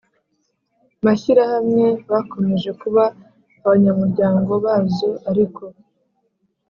mashyirahamwe bakomeje kuba abanyamuryango bazo Ariko